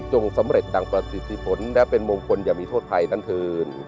สำเร็จดังประสิทธิผลและเป็นมงคลอย่างมีโทษไทยนั้นเถิน